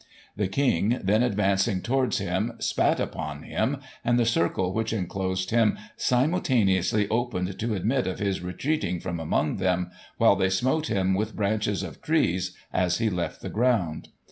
The King, then advancing towards him, spat upon him, and the circle which enclosed him simultaneously opened to admit of his retreating from among them, while they smote him with branches of trees, as he left the ground.